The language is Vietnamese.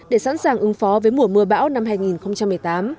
để sẵn sàng ứng phó với mùa mưa bão năm hai nghìn một mươi tám